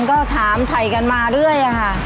ก็ถามไทยกันมาเรื่อยอะค่ะ